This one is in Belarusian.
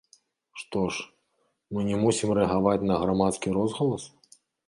Што ж, мы не мусім рэагаваць на грамадскі розгалас?